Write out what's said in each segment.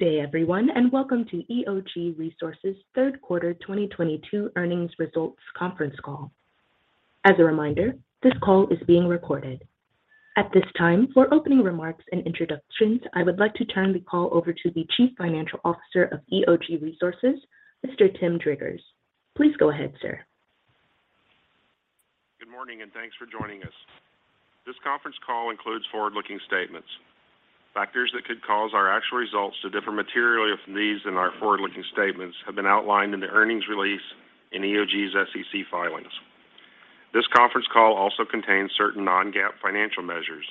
Good day, everyone, and welcome to EOG Resources third quarter 2022 earnings results conference call. As a reminder, this call is being recorded. At this time, for opening remarks and introductions, I would like to turn the call over to the Chief Financial Officer of EOG Resources, Mr. Tim Driggers. Please go ahead, Sir. Good morning, and thanks for joining us. This conference call includes forward-looking statements. Factors that could cause our actual results to differ materially from these in our forward-looking statements have been outlined in the earnings release in EOG's SEC filings. This conference call also contains certain non-GAAP financial measures.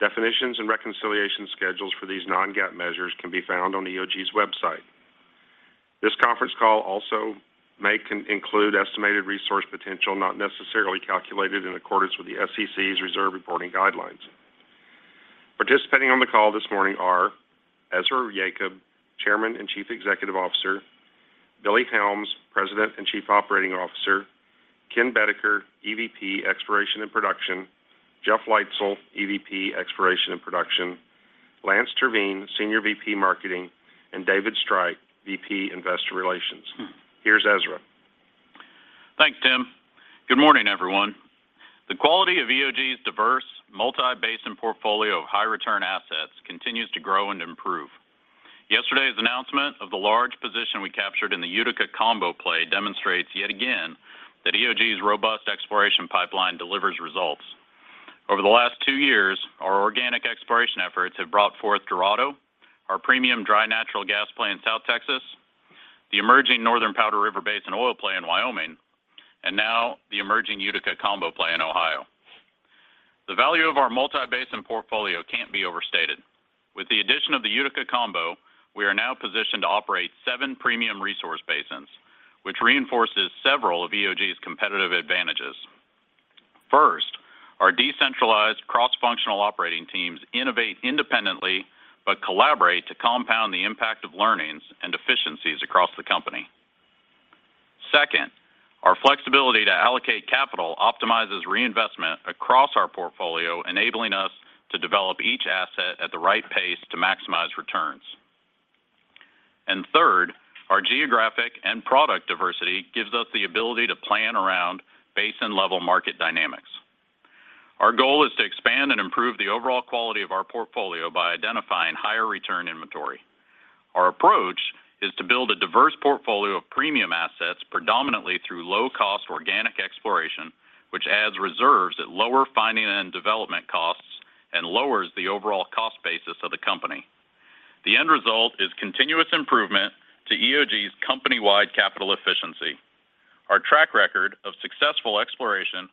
Definitions and reconciliation schedules for these non-GAAP measures can be found on EOG's website. This conference call also may include estimated resource potential, not necessarily calculated in accordance with the SEC's reserve reporting guidelines. Participating on the call this morning are Ezra Yacob, Chairman and Chief Executive Officer, Billy Helms, President and Chief Operating Officer, Ken Boedeker, EVP, Exploration and Production, Jeff Leitzell, EVP, Exploration and Production, Lance Terveen, Senior VP, Marketing, and David Streit, VP, Investor Relations. Here's Ezra. Thanks, Tim. Good morning, everyone. The quality of EOG's diverse multi-basin portfolio of high return assets continues to grow and improve. Yesterday's announcement of the large position we captured in the Utica Combo Play demonstrates yet again that EOG's robust exploration pipeline delivers results. Over the last two years, our organic exploration efforts have brought forth Dorado, our premium dry natural gas play in South Texas, the emerging Northern Powder River Basin oil play in Wyoming, and now the emerging Utica Combo Play in Ohio. The value of our multi-basin portfolio can't be overstated. With the addition of the Utica combo, we are now positioned to operate seven premium resource basins, which reinforces several of EOG's competitive advantages. First, our decentralized cross-functional operating teams innovate independently but collaborate to compound the impact of learnings and efficiencies across the company. Second, our flexibility to allocate capital optimizes reinvestment across our portfolio, enabling us to develop each asset at the right pace to maximize returns. Third, our geographic and product diversity gives us the ability to plan around basin-level market dynamics. Our goal is to expand and improve the overall quality of our portfolio by identifying higher return inventory. Our approach is to build a diverse portfolio of premium assets, predominantly through low-cost organic exploration, which adds reserves at lower finding and development costs and lowers the overall cost basis of the company. The end result is continuous improvement to EOG's company-wide capital efficiency. Our track record of successful exploration,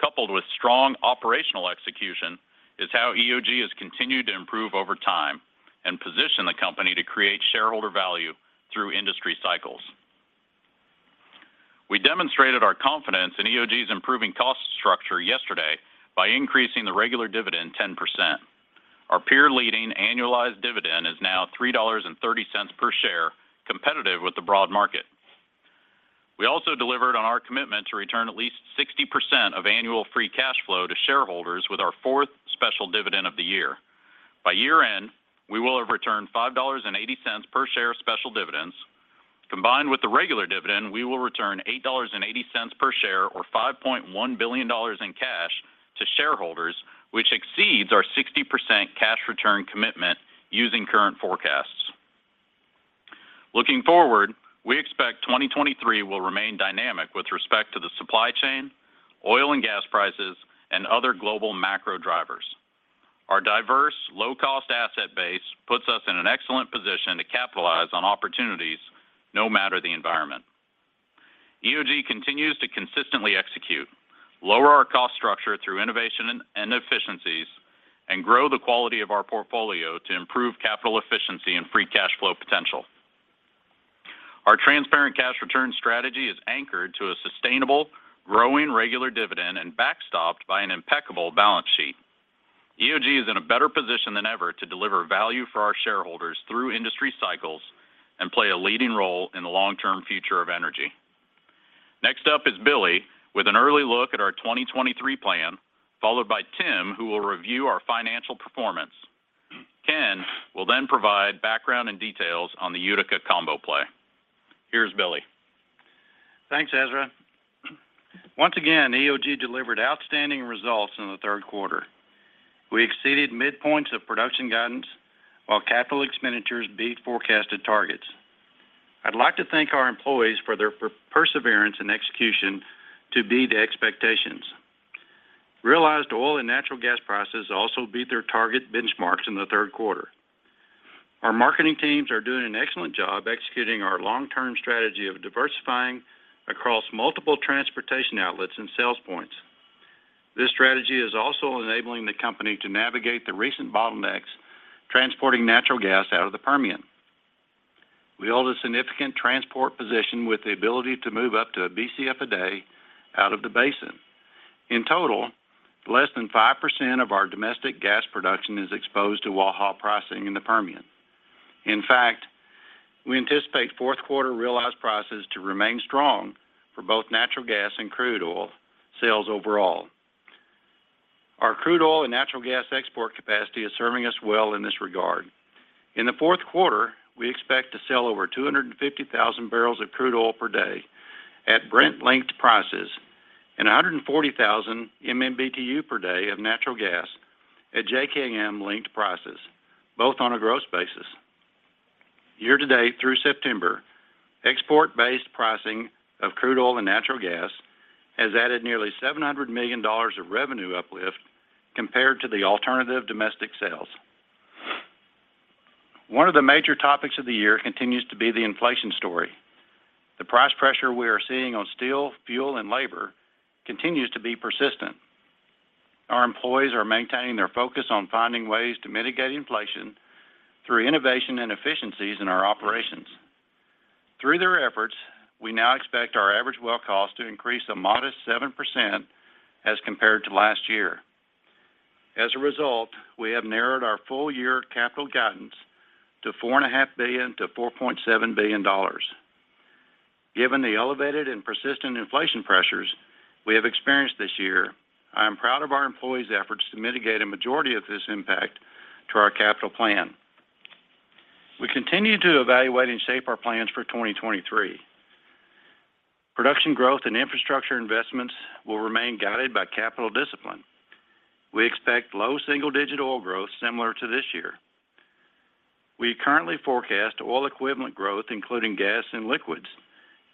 coupled with strong operational execution, is how EOG has continued to improve over time and position the company to create shareholder value through industry cycles. We demonstrated our confidence in EOG's improving cost structure yesterday by increasing the regular dividend 10%. Our peer-leading annualized dividend is now $3.30 per share, competitive with the broad market. We also delivered on our commitment to return at least 60% of annual free cash flow to shareholders with our fourth special dividend of the year. By year end, we will have returned $5.80 per share of special dividends. Combined with the regular dividend, we will return $8.80 per share or $5.1 billion in cash to shareholders, which exceeds our 60% cash return commitment using current forecasts. Looking forward, we expect 2023 will remain dynamic with respect to the supply chain, oil and gas prices, and other global macro drivers. Our diverse low cost asset base puts us in an excellent position to capitalize on opportunities no matter the environment. EOG continues to consistently execute, lower our cost structure through innovation and efficiencies, and grow the quality of our portfolio to improve capital efficiency and free cash flow potential. Our transparent cash return strategy is anchored to a sustainable, growing regular dividend and backstopped by an impeccable balance sheet. EOG is in a better position than ever to deliver value for our shareholders through industry cycles and play a leading role in the long-term future of energy. Next up is Billy with an early look at our 2023 plan, followed by Tim, who will review our financial performance. Ken will then provide background and details on the Utica Combo Play. Here's Billy. Thanks, Ezra. Once again, EOG delivered outstanding results in the third quarter. We exceeded midpoints of production guidance while capital expenditures beat forecasted targets. I'd like to thank our employees for their perseverance and execution to beat expectations. Realized oil and natural gas prices also beat their target benchmarks in the third quarter. Our marketing teams are doing an excellent job executing our long-term strategy of diversifying across multiple transportation outlets and sales points. This strategy is also enabling the company to navigate the recent bottlenecks transporting natural gas out of the Permian. We hold a significant transport position with the ability to move up to a BCF a day out of the basin. In total, less than 5% of our domestic gas production is exposed to Waha pricing in the Permian. In fact, we anticipate fourth-quarter realized prices to remain strong for both natural gas and crude oil sales overall. Our crude oil and natural gas export capacity is serving us well in this regard. In the fourth quarter, we expect to sell over 250,000 bbl of crude oil per day at Brent-linked prices and 140,000 MMBtu per day of natural gas at JKM-linked prices, both on a gross basis. Year to date through September, export-based pricing of crude oil and natural gas has added nearly $700 million of revenue uplift compared to the alternative domestic sales. One of the major topics of the year continues to be the inflation story. The price pressure we are seeing on steel, fuel, and labor continues to be persistent. Our employees are maintaining their focus on finding ways to mitigate inflation through innovation and efficiencies in our operations. Through their efforts, we now expect our average well cost to increase a modest 7% as compared to last year. As a result, we have narrowed our full-year capital guidance to $4.5 billion-$4.7 billion. Given the elevated and persistent inflation pressures we have experienced this year, I am proud of our employees' efforts to mitigate a majority of this impact to our capital plan. We continue to evaluate and shape our plans for 2023. Production growth and infrastructure investments will remain guided by capital discipline. We expect low single-digit oil growth similar to this year. We currently forecast oil equivalent growth, including gas and liquids,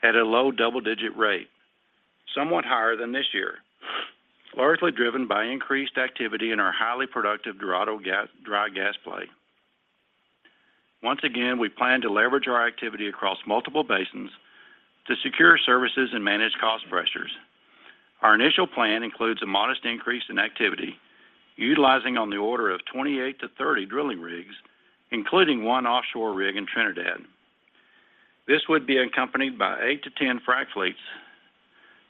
at a low double-digit rate, somewhat higher than this year, largely driven by increased activity in our highly productive Dorado gas dry gas play. Once again, we plan to leverage our activity across multiple basins to secure services and manage cost pressures. Our initial plan includes a modest increase in activity utilizing on the order of 28-30 drilling rigs, including one offshore rig in Trinidad. This would be accompanied by eight to 10 frac fleets.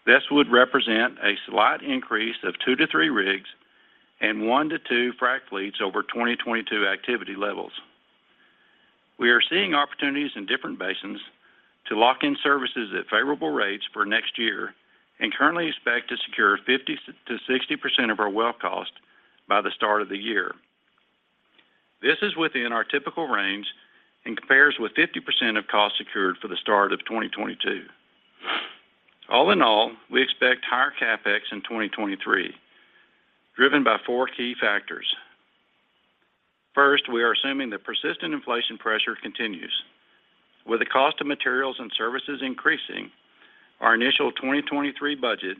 This would represent a 1-2 frac fleets over 2022 activity levels. We are seeing opportunities in different basins to lock in services at favorable rates for next year and currently expect to secure 50%-60% of our well cost by the start of the year. This is within our typical range and compares with 50% of cost secured for the start of 2022. All in all, we expect higher CapEx in 2023, driven by four key factors. First, we are assuming that persistent inflation pressure continues. With the cost of materials and services increasing, our initial 2023 budget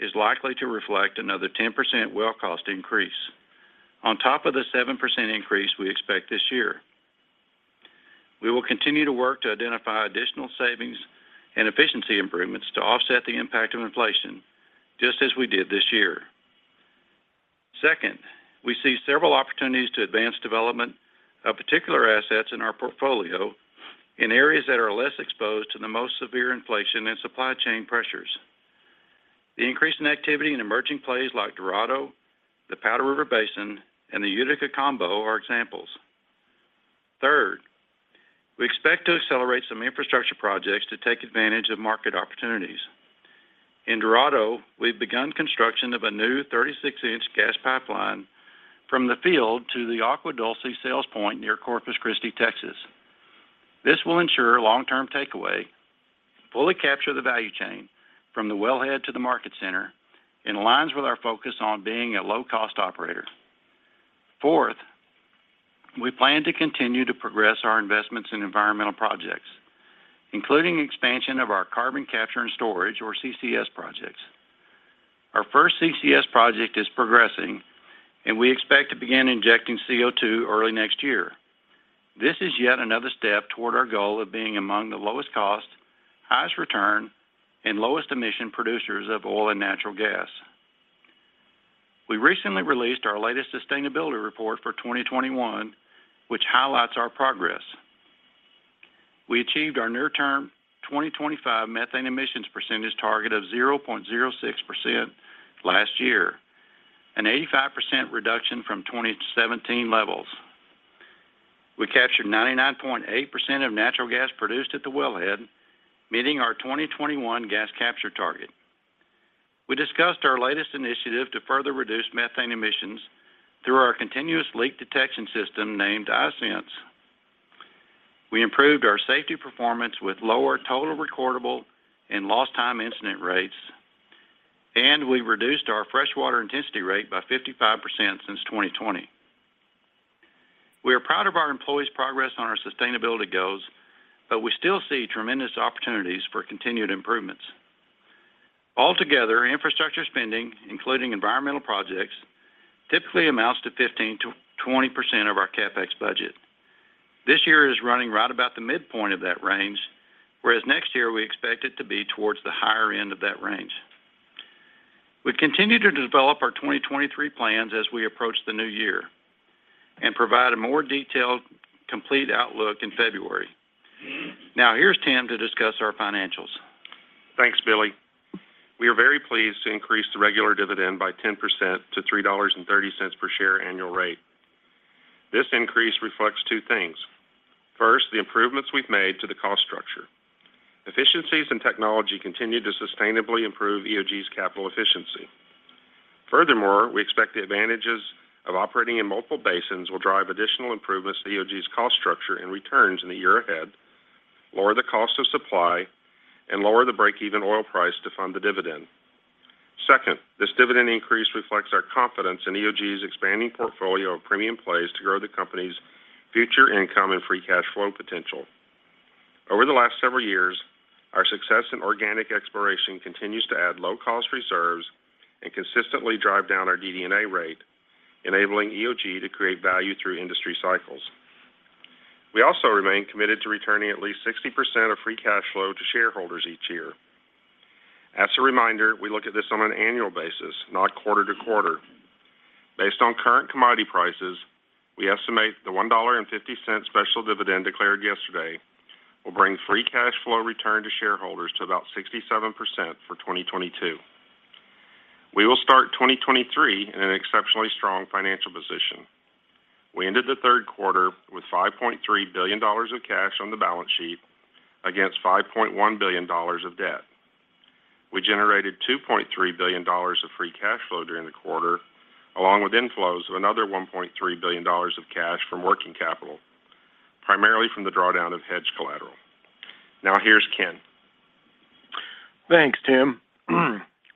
is likely to reflect another 10% well cost increase on top of the 7% increase we expect this year. We will continue to work to identify additional savings and efficiency improvements to offset the impact of inflation, just as we did this year. Second, we see several opportunities to advance development of particular assets in our portfolio in areas that are less exposed to the most severe inflation and supply chain pressures. The increase in activity in emerging plays like Dorado, the Powder River Basin, and the Utica Combo are examples. Third, we expect to accelerate some infrastructure projects to take advantage of market opportunities. In Dorado, we've begun construction of a new 36-inch gas pipeline from the field to the Agua Dulce sales point near Corpus Christi, Texas. This will ensure long-term takeaway, fully capture the value chain from the wellhead to the market center, and aligns with our focus on being a low-cost operator. Fourth, we plan to continue to progress our investments in environmental projects, including expansion of our carbon capture and storage, or CCS projects. Our first CCS project is progressing, and we expect to begin injecting CO2 early next year. This is yet another step toward our goal of being among the lowest cost, highest return, and lowest emission producers of oil and natural gas. We recently released our latest sustainability report for 2021, which highlights our progress. We achieved our near-term 2025 methane emissions percentage target of 0.06% last year, an 85% reduction from 2017 levels. We captured 99.8% of natural gas produced at the wellhead, meeting our 2021 gas capture target. We discussed our latest initiative to further reduce methane emissions through our continuous leak detection system named iSense. We improved our safety performance with lower total recordable and lost time incident rates, and we reduced our freshwater intensity rate by 55% since 2020. We are proud of our employees' progress on our sustainability goals, but we still see tremendous opportunities for continued improvements. Altogether, infrastructure spending, including environmental projects, typically amounts to 15%-20% of our CapEx budget. This year is running right about the midpoint of that range, whereas next year we expect it to be towards the higher end of that range. We continue to develop our 2023 plans as we approach the new year and provide a more detailed, complete outlook in February. Now here's Tim to discuss our financials. Thanks, Billy. We are very pleased to increase the regular dividend by 10% to $3.30 per share annual rate. This increase reflects two things. First, the improvements we've made to the cost structure. Efficiencies and technology continue to sustainably improve EOG's capital efficiency. Furthermore, we expect the advantages of operating in multiple basins will drive additional improvements to EOG's cost structure and returns in the year ahead, lower the cost of supply, and lower the break-even oil price to fund the dividend. Second, this dividend increase reflects our confidence in EOG's expanding portfolio of premium plays to grow the company's future income and free cash flow potential. Over the last several years, our success in organic exploration continues to add low cost reserves and consistently drive down our DD&A rate, enabling EOG to create value through industry cycles. We also remain committed to returning at least 60% of free cash flow to shareholders each year. As a reminder, we look at this on an annual basis, not quarter to quarter. Based on current commodity prices, we estimate the $1.50 special dividend declared yesterday will bring free cash flow return to shareholders to about 67% for 2022. We will start 2023 in an exceptionally strong financial position. We ended the third quarter with $5.3 billion of cash on the balance sheet against $5.1 billion of debt. We generated $2.3 billion of free cash flow during the quarter, along with inflows of another $1.3 billion of cash from working capital, primarily from the drawdown of hedge collateral. Now here's Ken. Thanks, Tim.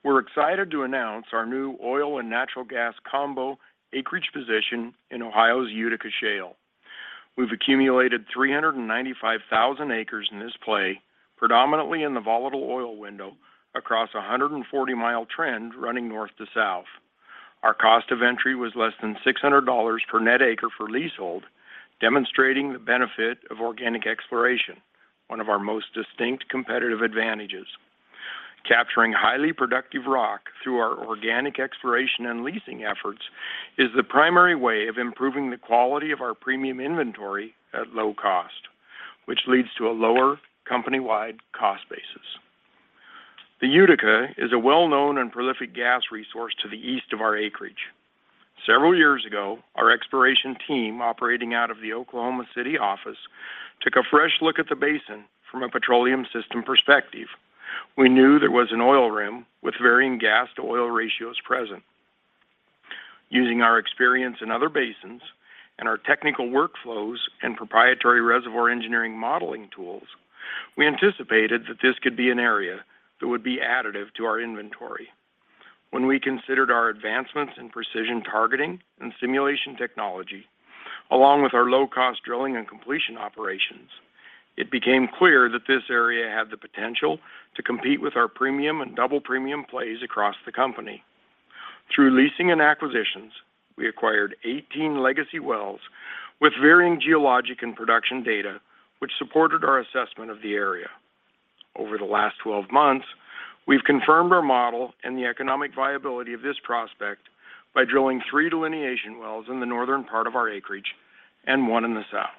We're excited to announce our new oil and natural gas combo acreage position in Ohio's Utica Shale. We've accumulated 395,000 acres in this play, predominantly in the volatile oil window across a 140-mile trend running north to south. Our cost of entry was less than $600 per net acre for leasehold, demonstrating the benefit of organic exploration, one of our most distinct competitive advantages. Capturing highly productive rock through our organic exploration and leasing efforts is the primary way of improving the quality of our premium inventory at low cost, which leads to a lower company-wide cost basis. The Utica is a well-known and prolific gas resource to the east of our acreage. Several years ago, our exploration team, operating out of the Oklahoma City office, took a fresh look at the basin from a petroleum system perspective. We knew there was an oil rim with varying gas to oil ratios present. Using our experience in other basins and our technical workflows and proprietary reservoir engineering modeling tools, we anticipated that this could be an area that would be additive to our inventory. When we considered our advancements in precision targeting and stimulation technology, along with our low cost drilling and completion operations, it became clear that this area had the potential to compete with our premium and double premium plays across the company. Through leasing and acquisitions, we acquired 18 legacy wells with varying geologic and production data, which supported our assessment of the area. Over the last 12 months, we've confirmed our model and the economic viability of this prospect by drilling three delineation wells in the northern part of our acreage and one in the south.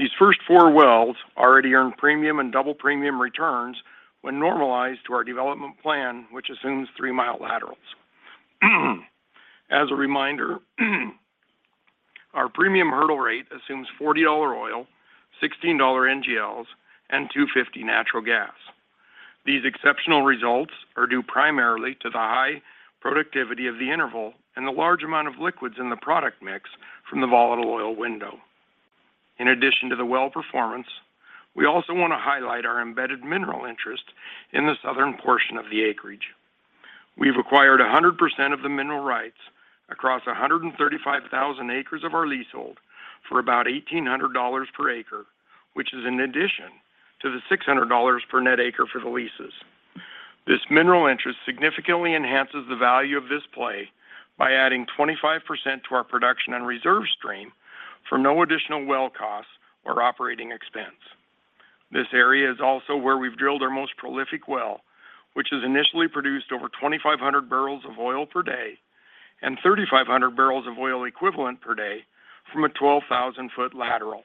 These first four wells already earned premium and double premium returns when normalized to our development plan, which assumes three-mile laterals. As a reminder, our premium hurdle rate assumes $40 oil, $16 NGLs, and $2.50 natural gas. These exceptional results are due primarily to the high productivity of the interval and the large amount of liquids in the product mix from the volatile oil window. In addition to the well performance, we also want to highlight our embedded mineral interest in the southern portion of the acreage. We've acquired 100% of the mineral rights across 135,000 acres of our leasehold for about $1,800 per acre, which is in addition to the $600 per net acre for the leases. This mineral interest significantly enhances the value of this play by adding 25% to our production and reserve stream for no additional well costs or operating expense. This area is also where we've drilled our most prolific well, which has initially produced over 2,500 bbl of oil per day and 3,500 bbl of oil equivalent per day from a 12,000-foot lateral.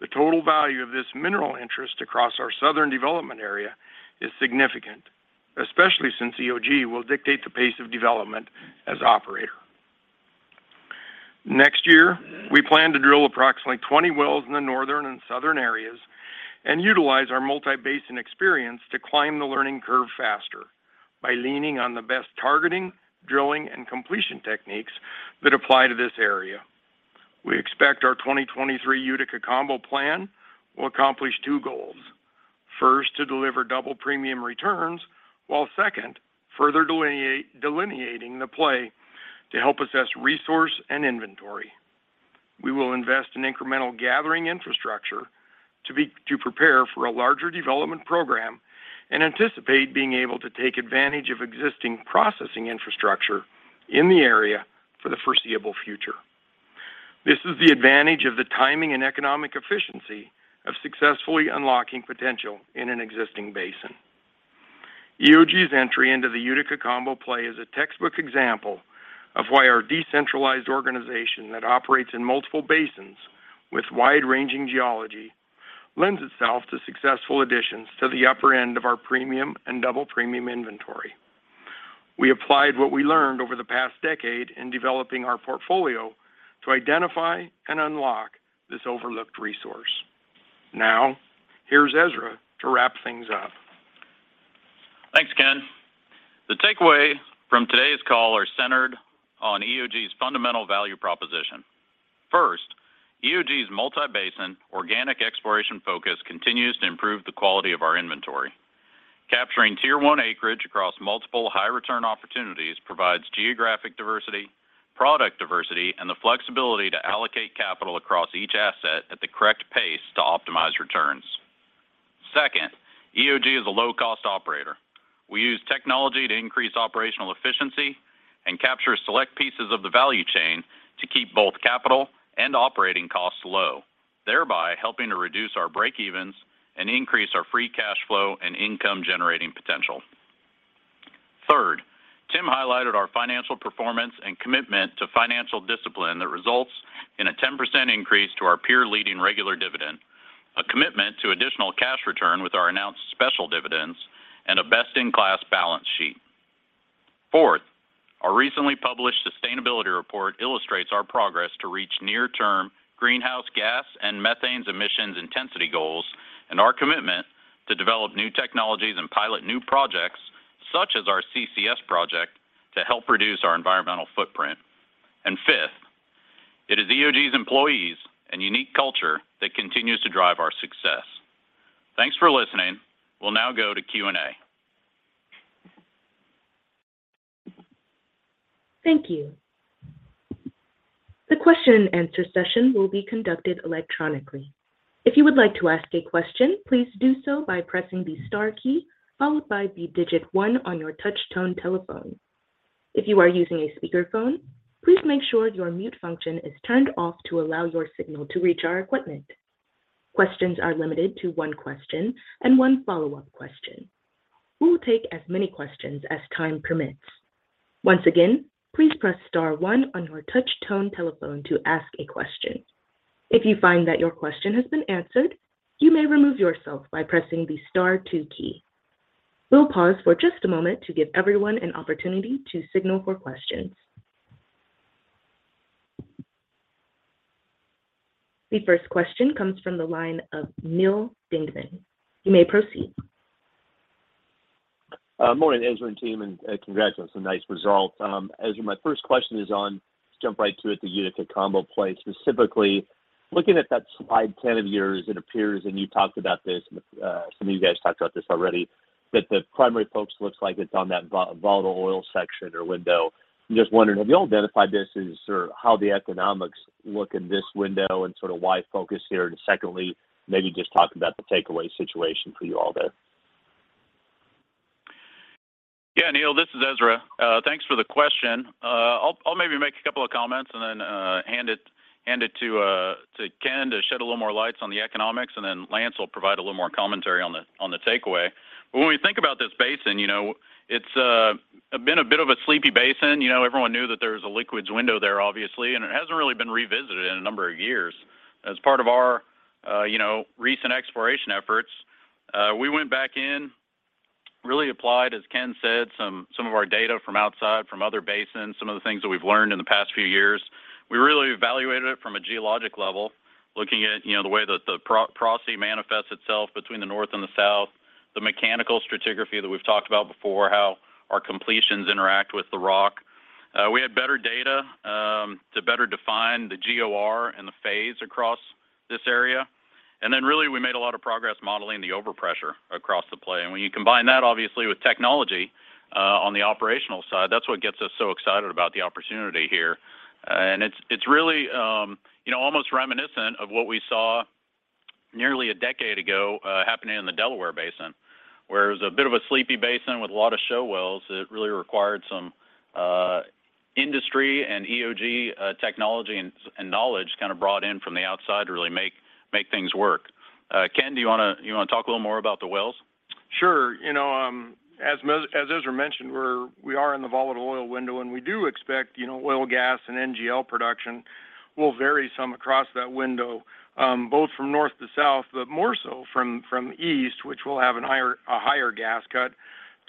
The total value of this mineral interest across our southern development area is significant, especially since EOG will dictate the pace of development as operator. Next year, we plan to drill approximately 20 wells in the northern and southern areas and utilize our multi-basin experience to climb the learning curve faster by leaning on the best targeting, drilling, and completion techniques that apply to this area. We expect our 2023 Utica combo plan will accomplish two goals. First, to deliver double premium returns, while second, further delineating the play to help assess resource and inventory. We will invest in incremental gathering infrastructure to prepare for a larger development program and anticipate being able to take advantage of existing processing infrastructure in the area for the foreseeable future. This is the advantage of the timing and economic efficiency of successfully unlocking potential in an existing basin. EOG's entry into the Utica Combo Play is a textbook example of why our decentralized organization that operates in multiple basins with wide-ranging geology lends itself to successful additions to the upper end of our premium and double premium inventory. We applied what we learned over the past decade in developing our portfolio to identify and unlock this overlooked resource. Now, here's Ezra to wrap things up. Thanks, Ken. The takeaway from today's call are centered on EOG's fundamental value proposition. First, EOG's multi-basin organic exploration focus continues to improve the quality of our inventory. Capturing Tier One acreage across multiple high return opportunities provides geographic diversity, product diversity, and the flexibility to allocate capital across each asset at the correct pace to optimize returns. Second, EOG is a low-cost operator. We use technology to increase operational efficiency and capture select pieces of the value chain to keep both capital and operating costs low, thereby helping to reduce our break-evens and increase our free cash flow and income generating potential. Third, Tim highlighted our financial performance and commitment to financial discipline that results in a 10% increase to our peer-leading regular dividend, a commitment to additional cash return with our announced special dividends, and a best-in-class balance sheet. Fourth, our recently published sustainability report illustrates our progress to reach near-term greenhouse gas and methane emissions intensity goals and our commitment to develop new technologies and pilot new projects, such as our CCS project, to help reduce our environmental footprint. Fifth, it is EOG's employees and unique culture that continues to drive our success. Thanks for listening. We'll now go to Q&A. Thank you. The question-and-answer session will be conducted electronically. If you would like to ask a question, please do so by pressing the star key, followed by the digit one on your touch tone telephone. If you are using a speakerphone, please make sure your mute function is turned off to allow your signal to reach our equipment. Questions are limited to one question and one follow-up question. We will take as many questions as time permits. Once again, please press star one on your touch tone telephone to ask a question. If you find that your question has been answered, you may remove yourself by pressing the star two key. We'll pause for just a moment to give everyone an opportunity to signal for questions. The first question comes from the line of Neal Dingmann. You may proceed. Morning, Ezra and team, and congratulations on nice results. Ezra, my first question is on, let's jump right to it, the Utica Combo Play. Specifically, looking at that slide 10 of yours, it appears, and you talked about this, and some of you guys talked about this already, that the primary focus looks like it's on that volatile oil section or window. I'm just wondering, have you all identified this as sort of how the economics look in this window and sort of why focus here? Secondly, maybe just talk about the takeaway situation for you all there. Yeah, Neil, this is Ezra. Thanks for the question. I'll maybe make a couple of comments and then hand it to Ken to shed a little more light on the economics, and then Lance will provide a little more commentary on the takeaway. When we think about this basin, you know, it's been a bit of a sleepy basin. You know, everyone knew that there was a liquids window there, obviously, and it hasn't really been revisited in a number of years. As part of our, you know, recent exploration efforts, we went back in, really applied, as Ken said, some of our data from outside, from other basins, some of the things that we've learned in the past few years. We really evaluated it from a geologic level, looking at, you know, the way that the porosity manifests itself between the north and the south, the mechanical stratigraphy that we've talked about before, how our completions interact with the rock. We had better data to better define the GOR and the phase across this area. Really, we made a lot of progress modeling the overpressure across the play. When you combine that obviously with technology on the operational side, that's what gets us so excited about the opportunity here. It's really, you know, almost reminiscent of what we saw nearly a decade ago happening in the Delaware Basin, where it was a bit of a sleepy basin with a lot of show wells. It really required some industry and EOG technology and knowledge kind of brought in from the outside to really make things work. Ken, do you want to talk a little more about the wells? Sure. You know, as Ezra mentioned, we are in the volatile oil window, and we do expect, you know, oil, gas, and NGL production will vary some across that window, both from north to south, but more so from east, which will have a higher gas cut,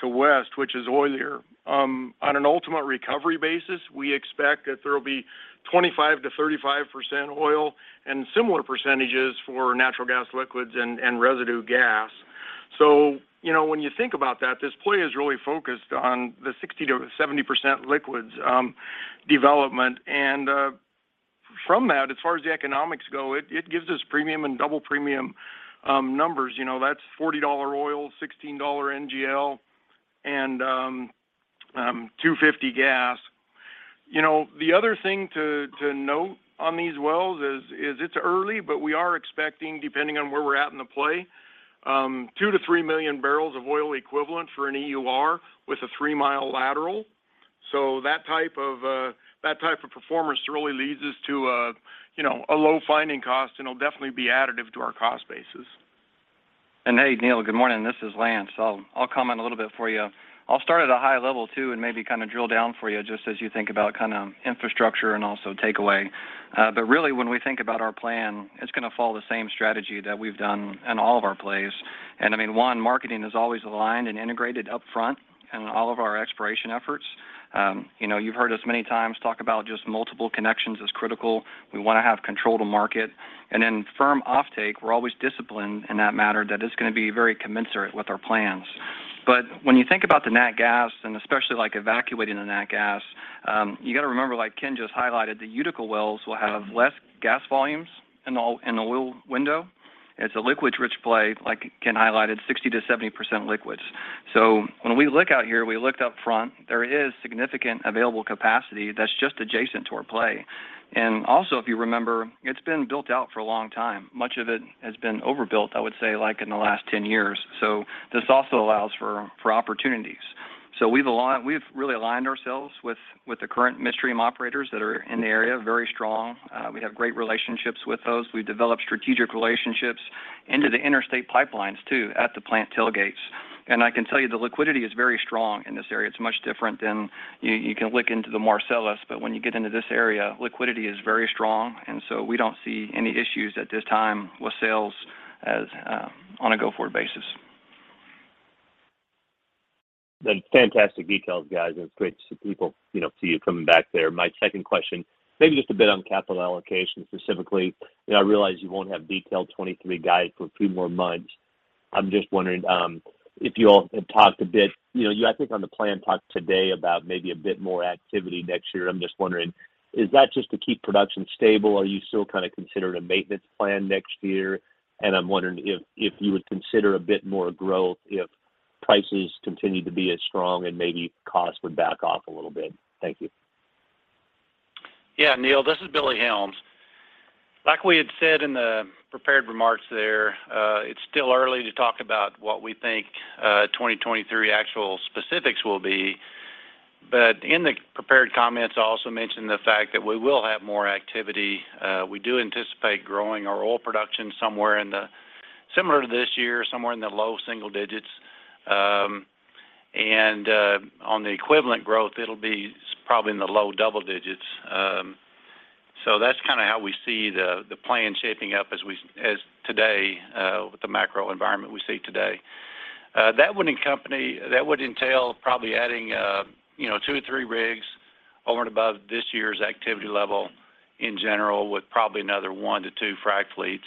to west, which is oilier. On an ultimate recovery basis, we expect that there will be 25%-35% oil and similar percentages for natural gas liquids and residue gas. You know, when you think about that, this play is really focused on the 60%-70% liquids development. From that, as far as the economics go, it gives us premium and double premium numbers. You know, that's $40 oil, $16 NGL, and $2.50 gas. You know, the other thing to note on these wells is it's early, but we are expecting, depending on where we're at in the play, 2-3 million bbl of oil equivalent for an EUR with a three-mile lateral. So that type of performance really leads us to a, you know, a low finding cost and will definitely be additive to our cost basis. Hey, Neil, good morning. This is Lance. I'll comment a little bit for you. I'll start at a high level too, and maybe kind of drill down for you just as you think about kind of infrastructure and also takeaway. But really when we think about our plan, it's going to follow the same strategy that we've done in all of our plays. I mean, one, marketing is always aligned and integrated upfront in all of our exploration efforts. You know, you've heard us many times talk about just multiple connections is critical. We want to have control to market. And then firm offtake, we're always disciplined in that matter that it's going to be very commensurate with our plans. When you think about the nat gas, and especially like evacuating the nat gas, you got to remember, like Ken just highlighted, the Utica wells will have less gas volumes in the well window. It's a liquids-rich play, like Ken highlighted, 60%-70% liquids. When we look out here, we looked up front, there is significant available capacity that's just adjacent to our play. If you remember, it's been built out for a long time. Much of it has been overbuilt, I would say, like in the last 10 years. This also allows for opportunities. We've really aligned ourselves with the current midstream operators that are in the area, very strong. We have great relationships with those. We developed strategic relationships into the interstate pipelines too at the plant tailgates. I can tell you, the liquidity is very strong in this area. It's much different than you can look into the Marcellus, but when you get into this area, liquidity is very strong. We don't see any issues at this time with sales, as on a go-forward basis. That's fantastic details, guys. It's great to see people, you know, see you coming back there. My second question, maybe just a bit on capital allocation specifically. You know, I realize you won't have detailed 2023 guide for a few more months. I'm just wondering if you all had talked a bit. You know, you, I think on the plan talk today about maybe a bit more activity next year. I'm just wondering, is that just to keep production stable? Are you still kind of considering a maintenance plan next year? I'm wondering if you would consider a bit more growth if prices continue to be as strong and maybe costs would back off a little bit. Thank you. Yeah, Neil, this is Billy Helms. Like we had said in the prepared remarks there, it's still early to talk about what we think, 2023 actual specifics will be. In the prepared comments, I also mentioned the fact that we will have more activity. We do anticipate growing our oil production somewhere in the similar to this year, somewhere in the low single digits. On the equivalent growth, it'll be probably in the low double digits. That's kind of how we see the plan shaping up as today, with the macro environment we see today. That would entail probably adding, you know, 2-3 rigs over and above this year's activity level in general, with probably another 1-2 frac fleets.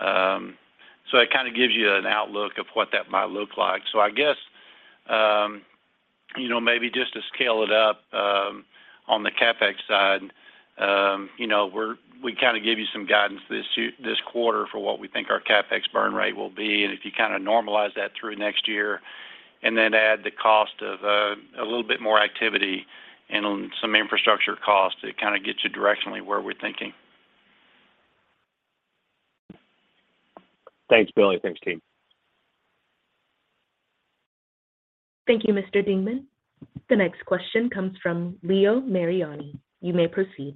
It kind of gives you an outlook of what that might look like. I guess, you know, maybe just to scale it up, on the CapEx side, you know, we kind of give you some guidance this quarter for what we think our CapEx burn rate will be. If you kind of normalize that through next year and then add the cost of a little bit more activity and on some infrastructure cost, it kind of gets you directionally where we're thinking. Thanks, Billy. Thanks, team. Thank you, Mr. Dingmann. The next question comes from Leo Mariani. You may proceed.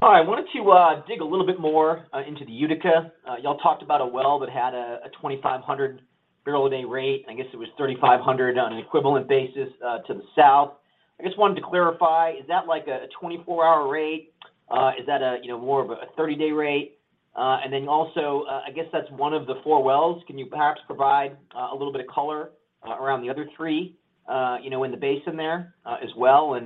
Hi. I wanted to dig a little bit more into the Utica. Y'all talked about a well that had a 2500-barrel-a-day rate. I guess it was 3500 on an equivalent basis to the south. I just wanted to clarify, is that like a 24-hour rate? Is that, you know, more of a 30-day rate? I guess that's one of the four wells. Can you perhaps provide a little bit of color around the other three, you know, in the basin there, as well?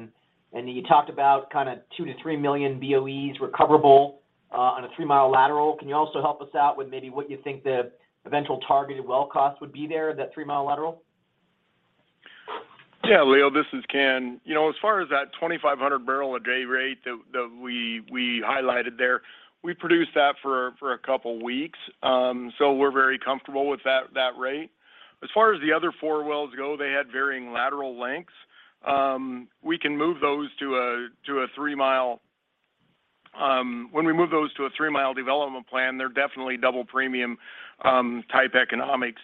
You talked about kind of 2-3 million BOEs recoverable on a three-mile lateral. Can you also help us out with maybe what you think the eventual targeted well cost would be there, that three-mile lateral? Yeah, Leo, this is Ken. You know, as far as that 2,500 bbl a day rate that we highlighted there, we produced that for a couple weeks, so we're very comfortable with that rate. As far as the other four wells go, they had varying lateral lengths. We can move those to a three-mile. When we move those to a three-mile development plan, they're definitely double-premium-type economics.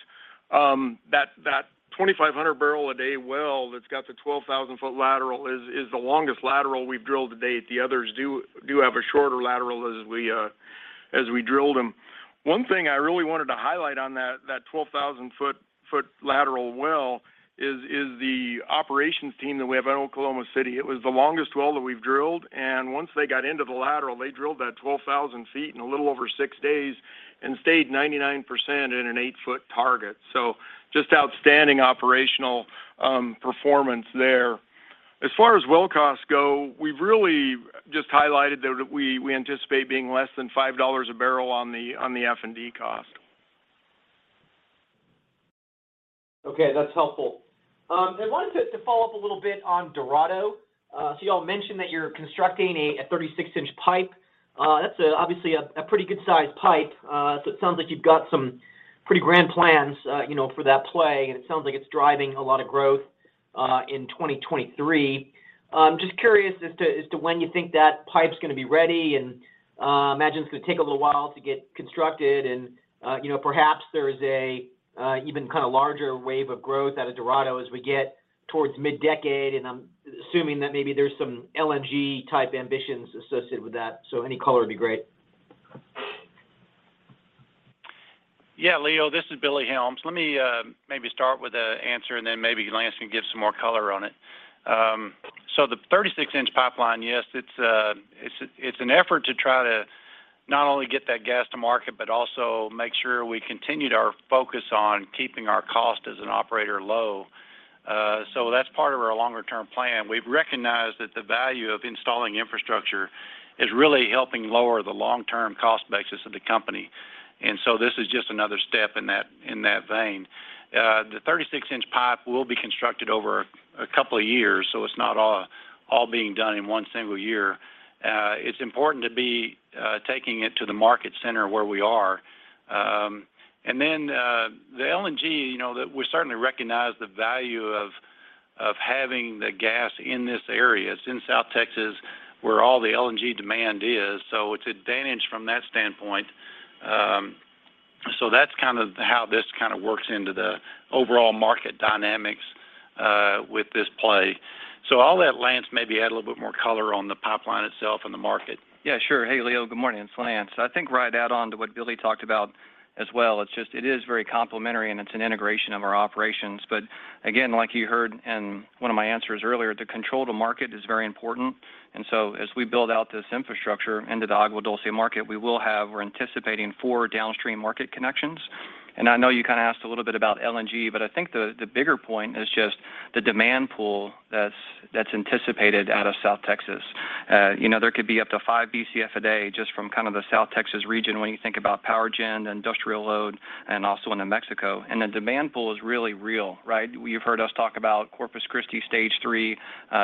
That 2,500 bbl a day well that's got the 12,000-foot lateral is the longest lateral we've drilled to date. The others do have a shorter lateral as we drilled them. One thing I really wanted to highlight on that 12,000-foot lateral well is the operations team that we have out in Oklahoma City. It was the longest well that we've drilled, and once they got into the lateral, they drilled that 12,000 ft in a little over six days and stayed 99% in an eight-foot target. Just outstanding operational performance there. As far as well costs go, we've really just highlighted that we anticipate being less than $5 a barrel on the F&D cost. Okay, that's helpful. I wanted to follow up a little bit on Dorado. Y'all mentioned that you're constructing a 36-inch pipe. That's obviously a pretty good size pipe. It sounds like you've got some pretty grand plans, you know, for that play, and it sounds like it's driving a lot of growth in 2023. Just curious as to when you think that pipe's going to be ready, and I imagine it's going to take a little while to get constructed and you know, perhaps there is an even kind of larger wave of growth out of Dorado as we get towards mid-decade, and I'm assuming that maybe there's some LNG-type ambitions associated with that. Any color would be great. Yeah, Leo, this is Billy Helms. Let me maybe start with an answer and then maybe Lance can give some more color on it. The 36-inch pipeline, yes, it's an effort to try to not only get that gas to market, but also make sure we continued our focus on keeping our cost as an operator low. That's part of our longer-term plan. We've recognized that the value of installing infrastructure is really helping lower the long-term cost basis of the company. This is just another step in that vein. The 36-inch pipe will be constructed over a couple of years, so it's not all being done in one single year. It's important to be taking it to the market center where we are. Then the LNG, you know, that we certainly recognize the value of having the gas in this area. It's in South Texas, where all the LNG demand is, so it's an advantage from that standpoint. That's kind of how this kind of works into the overall market dynamics with this play. I'll let Lance maybe add a little bit more color on the pipeline itself and the market. Yeah, sure. Hey, Leo, good morning. It's Lance. I think right to add on to what Billy talked about as well, it's just, it is very complementary, and it's an integration of our operations. But again, like you heard in one of my answers earlier, to control the market is very important. As we build out this infrastructure into the Agua Dulce market, we will have, we're anticipating four downstream market connections. I know you kind of asked a little bit about LNG, but I think the bigger point is just the demand pool that's anticipated out of South Texas. You know, there could be up to five BCF a day just from kind of the South Texas region when you think about power gen, industrial load, and also into Mexico. The demand pool is really real, right? You've heard us talk about Corpus Christi Stage 3.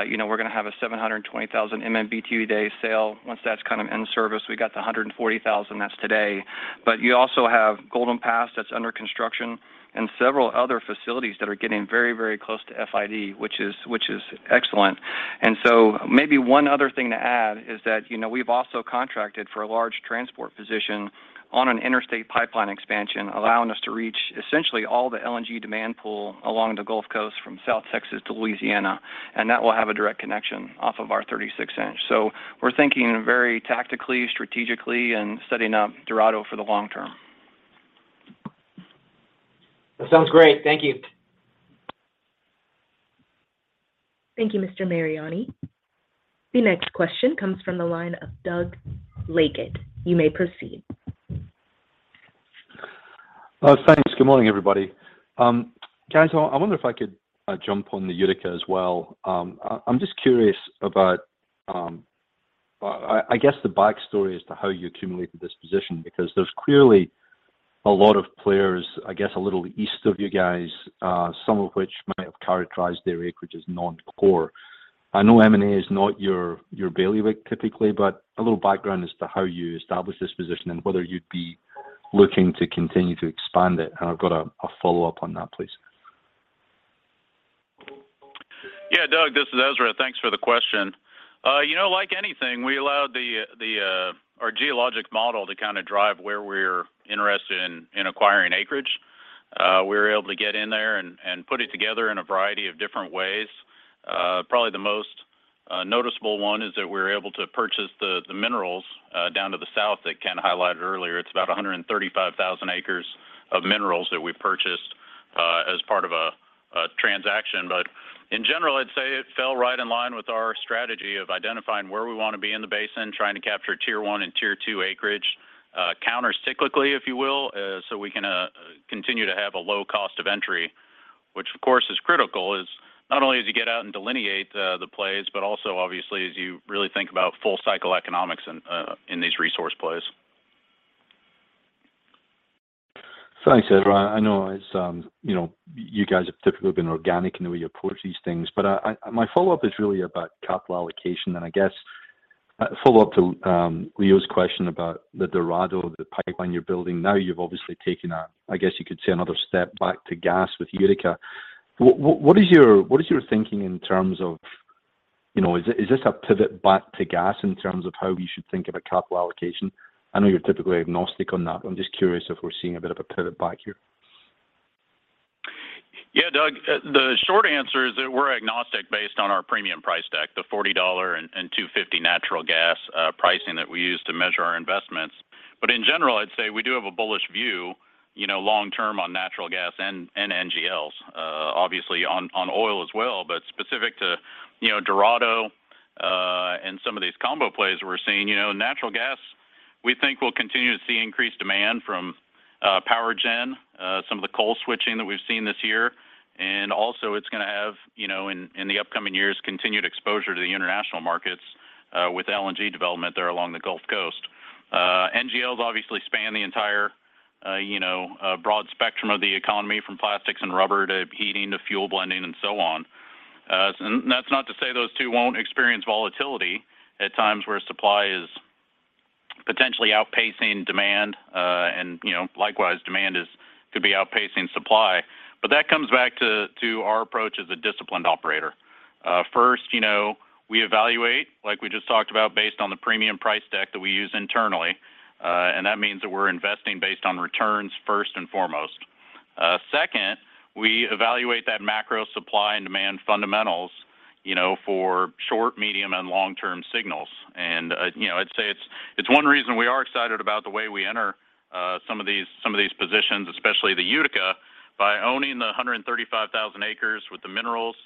You know, we're going to have a 720,000 MMBtu a day sale once that's kind of in service. We got the 140,000, that's today. But you also have Golden Pass that's under construction and several other facilities that are getting very, very close to FID, which is excellent. Maybe one other thing to add is that, you know, we've also contracted for a large transport position on an interstate pipeline expansion, allowing us to reach essentially all the LNG demand pool along the Gulf Coast from South Texas to Louisiana, and that will have a direct connection off of our 36-inch. We're thinking very tactically, strategically, and setting up Dorado for the long term. That sounds great. Thank you. Thank you, Mr. Mariani. The next question comes from the line of Doug Leggate. You may proceed. Thanks. Good morning, everybody. Guys, I wonder if I could jump on the Utica as well. I'm just curious about, I guess the back story as to how you accumulated this position, because there's clearly a lot of players, I guess, a little east of you guys, some of which might have characterized their acreage as non-core. I know M&A is not your bailiwick typically, but a little background as to how you established this position and whether you'd be looking to continue to expand it. I've got a follow-up on that, please. Yeah, Doug, this is Ezra. Thanks for the question. You know, like anything, we allowed our geologic model to kind of drive where we're interested in acquiring acreage. We were able to get in there and put it together in a variety of different ways. Probably the most noticeable one is that we were able to purchase the minerals down to the south that Ken highlighted earlier. It's about 135,000 acres of minerals that we purchased as part of a transaction. In general, I'd say it fell right in line with our strategy of identifying where we want to be in the basin, trying to capture tier one and tier two acreage, counter-cyclically, if you will, so we can continue to have a low cost of entry, which of course is critical, not only as you get out and delineate the plays, but also obviously as you really think about full cycle economics in these resource plays. Thanks, Ezra. I know it's, you know, you guys have typically been organic in the way you approach these things. My follow-up is really about capital allocation. I guess a follow-up to Leo's question about the Dorado, the pipeline you're building. Now you've obviously taken a, I guess, you could say another step back to gas with Utica. What is your thinking in terms of, you know, is this a pivot back to gas in terms of how we should think of capital allocation? I know you're typically agnostic on that. I'm just curious if we're seeing a bit of a pivot back here. Yeah, Doug, the short answer is that we're agnostic based on our premium price deck, the $40 and $2.50 natural gas pricing that we use to measure our investments. In general, I'd say we do have a bullish view, you know, long term on natural gas and NGLs, obviously on oil as well. Specific to, you know, Dorado and some of these combo plays we're seeing, you know, natural gas, we think we'll continue to see increased demand from power gen, some of the coal switching that we've seen this year. Also it's going to have, you know, in the upcoming years, continued exposure to the international markets with LNG development there along the Gulf Coast. NGLs obviously span the entire, you know, broad spectrum of the economy from plastics and rubber to heating to fuel blending and so on. That's not to say those two won't experience volatility at times where supply is potentially outpacing demand. You know, likewise, demand could be outpacing supply. That comes back to our approach as a disciplined operator. First, you know, we evaluate, like we just talked about, based on the premium price deck that we use internally. That means that we're investing based on returns first and foremost. Second, we evaluate that macro supply and demand fundamentals, you know, for short, medium, and long-term signals. You know, I'd say it's one reason we are excited about the way we enter, some of these, some of these positions, especially the Utica. By owning the 135,000 acres with the minerals,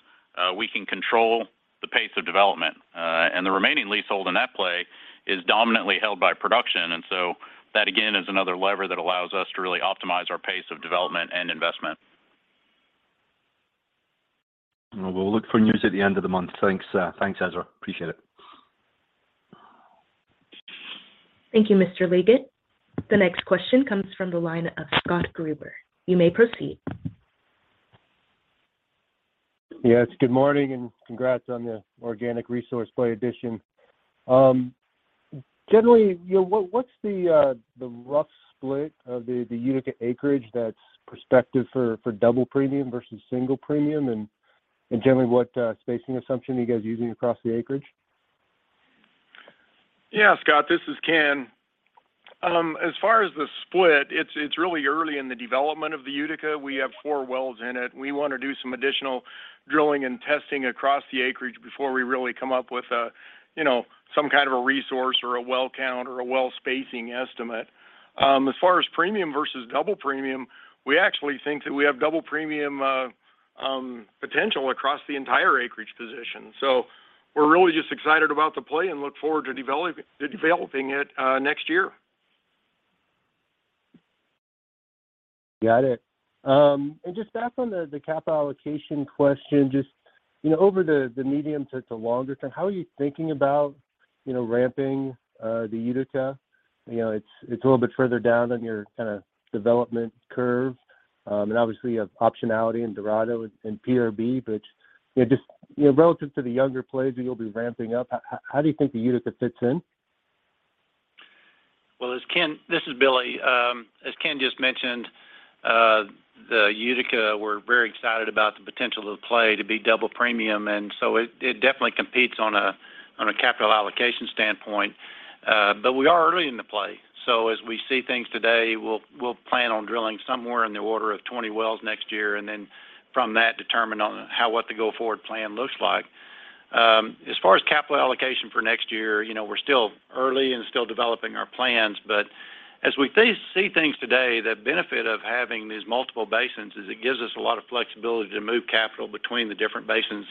we can control the pace of development. The remaining leasehold in that play is dominantly held by production. That again is another lever that allows us to really optimize our pace of development and investment. Well, we'll look for news at the end of the month. Thanks, Ezra. Appreciate it. Thank you, Mr. Leggate. The next question comes from the line of Scott Gruber. You may proceed. Yes, good morning, and congrats on the organic resource play addition. Generally, you know, what's the rough split of the Utica acreage that's prospective for double premium versus single premium? Generally, what spacing assumption are you guys using across the acreage? Yeah, Scott, this is Ken. As far as the split, it's really early in the development of the Utica. We have four wells in it. We want to do some additional drilling and testing across the acreage before we really come up with a, you know, some kind of a resource or a well count or a well spacing estimate. As far as premium versus double premium, we actually think that we have double premium potential across the entire acreage position. So we're really just excited about the play and look forward to developing it next year. Got it. Just back on the capital allocation question, just, you know, over the medium to longer term, how are you thinking about, you know, ramping the Utica? You know, it's a little bit further down than your kind of development curve. Obviously you have optionality in Dorado and PRB, but, you know, just, you know, relative to the younger plays that you'll be ramping up, how do you think the Utica fits in? This is Billy. As Ken just mentioned, the Utica, we're very excited about the potential of the play to be double premium, and so it definitely competes on a capital allocation standpoint. We are early in the play. As we see things today, we'll plan on drilling somewhere in the order of 20 wells next year, and then from that, determine what the go-forward plan looks like. As far as capital allocation for next year, you know, we're still early and still developing our plans. As we see things today, the benefit of having these multiple basins is it gives us a lot of flexibility to move capital between the different basins.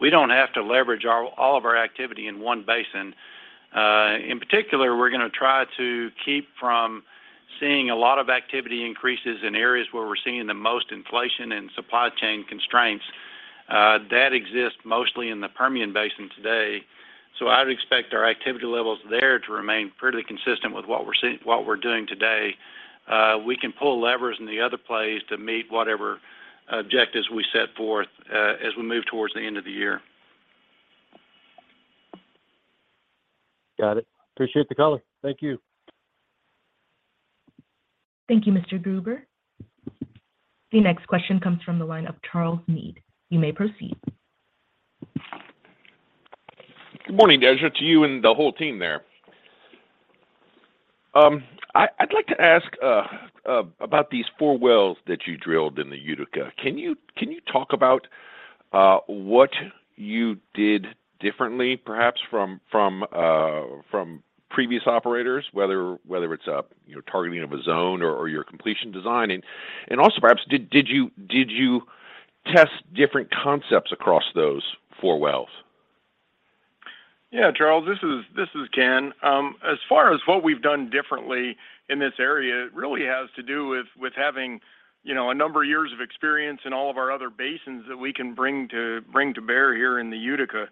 We don't have to leverage all of our activity in one basin. In particular, we're going to try to keep from seeing a lot of activity increases in areas where we're seeing the most inflation and supply chain constraints that exist mostly in the Permian Basin today. I would expect our activity levels there to remain fairly consistent with what we're doing today. We can pull levers in the other plays to meet whatever objectives we set forth as we move towards the end of the year. Got it. Appreciate the color. Thank you. Thank you, Mr. Gruber. The next question comes from the line of Charles Meade. You may proceed. Good morning to you and the whole team there. I'd like to ask about these four wells that you drilled in the Utica. Can you talk about what you did differently, perhaps from previous operators, whether it's you know, targeting of a zone or your completion design? Also perhaps did you test different concepts across those four wells? Yeah, Charles, this is Ken. As far as what we've done differently in this area, it really has to do with having, you know, a number of years of experience in all of our other basins that we can bring to bear here in the Utica.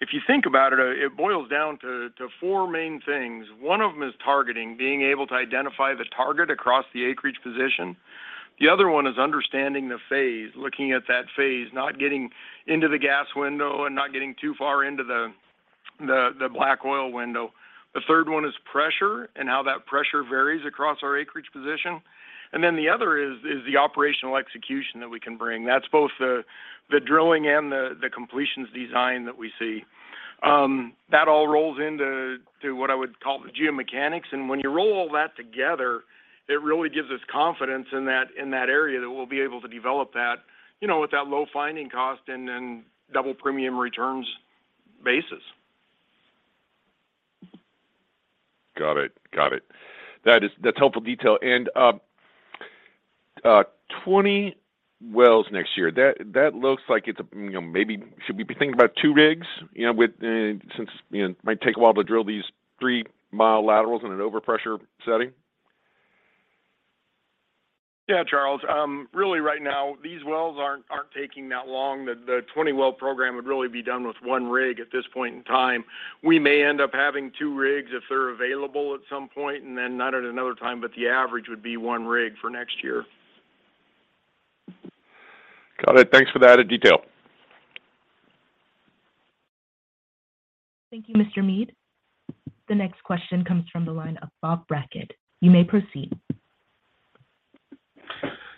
If you think about it boils down to four main things. One of them is targeting, being able to identify the target across the acreage position. The other one is understanding the phase, looking at that phase, not getting into the gas window and not getting too far into the black oil window. The third one is pressure and how that pressure varies across our acreage position. Then the other is the operational execution that we can bring. That's both the drilling and the completions design that we see. That all rolls into to what I would call the geomechanics. When you roll all that together, it really gives us confidence in that area that we'll be able to develop that, you know, with that low finding cost and then double premium returns basis. Got it. That's helpful detail. 20 wells next year. That looks like it's, you know, maybe should we be thinking about two rigs? You know, with, since, you know, it might take a while to drill these three-mile laterals in an overpressure setting. Yeah, Charles. Really right now, these wells aren't taking that long. The 20-well program would really be done with one rig at this point in time. We may end up having two rigs if they're available at some point and then not at another time, but the average would be one rig for next year. Got it. Thanks for that added detail. Thank you, Mr. Meade. The next question comes from the line of Bob Brackett. You may proceed.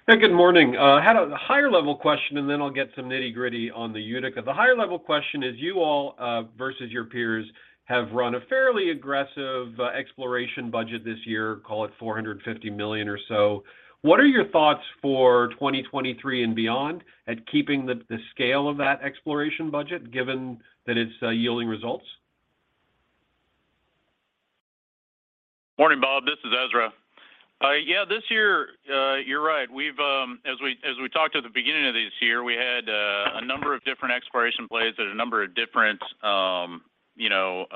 Hey, good morning. Had a higher level question, and then I'll get some nitty-gritty on the Utica. The higher level question is you all versus your peers have run a fairly aggressive exploration budget this year, call it $450 million or so. What are your thoughts for 2023 and beyond at keeping the scale of that exploration budget given that it's yielding results? Morning, Bob. This is Ezra. Yeah, this year, you're right. We've, as we talked at the beginning of this year, we had a number of different exploration plays. There's a number of different, you know,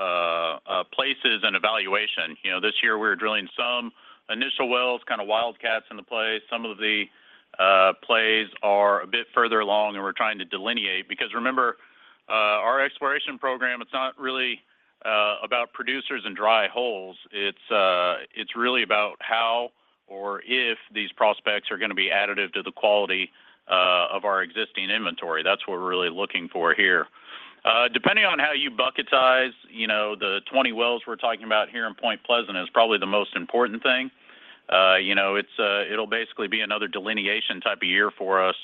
places and evaluation. You know, this year we're drilling some initial wells, kind of wildcats in the play. Some of the plays are a bit further along, and we're trying to delineate because remember, our exploration program, it's not really about producers and dry holes. It's really about how or if these prospects are going to be additive to the quality of our existing inventory. That's what we're really looking for here. Depending on how you bucketize, you know, the 20 wells we're talking about here in Point Pleasant is probably the most important thing. You know, it'll basically be another delineation type of year for us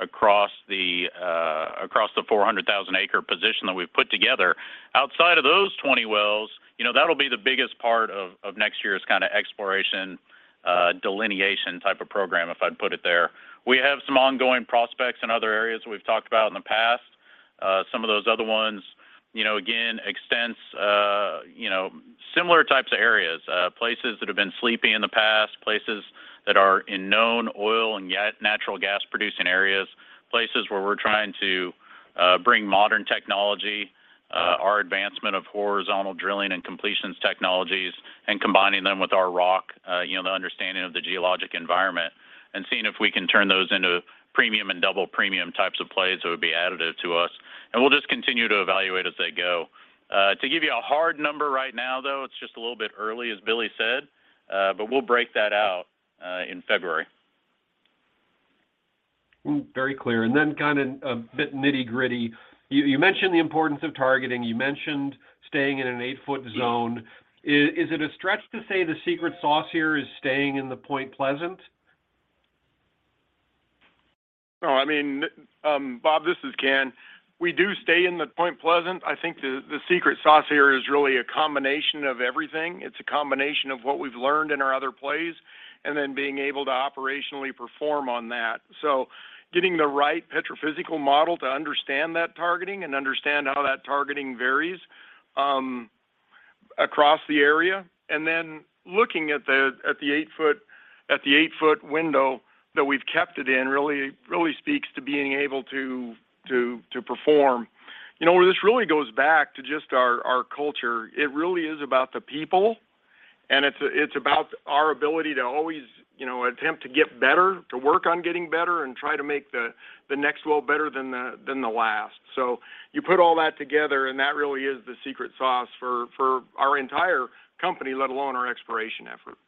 across the 400,000-acre position that we've put together. Outside of those 20 wells, you know, that'll be the biggest part of next year's kind of exploration, delineation type of program if I'd put it there. We have some ongoing prospects in other areas we've talked about in the past. Some of those other ones, you know, again, extends, you know, similar types of areas, places that have been sleeping in the past, places that are in known oil and natural gas producing areas, places where we're trying to bring modern technology, our advancement of horizontal drilling and completions technologies and combining them with our rock, you know, the understanding of the geologic environment and seeing if we can turn those into premium and double premium types of plays that would be additive to us. We'll just continue to evaluate as they go. To give you a hard number right now, though, it's just a little bit early, as Billy said, but we'll break that out in February. Very clear. Kind of a bit nitty-gritty. You mentioned the importance of targeting. You mentioned staying in an eight-foot zone. Is it a stretch to say the secret sauce here is staying in the Point Pleasant? No, I mean, Bob, this is Ken. We do stay in the Point Pleasant. I think the secret sauce here is really a combination of everything. It's a combination of what we've learned in our other plays and then being able to operationally perform on that. Getting the right petrophysical model to understand that targeting and understand how that targeting varies across the area, and then looking at the eight-foot window that we've kept it in really speaks to being able to perform. You know, this really goes back to just our culture. It really is about the people, and it's about our ability to always, you know, attempt to get better, to work on getting better and try to make the next well better than the last. You put all that together, and that really is the secret sauce for our entire company, let alone our exploration effort.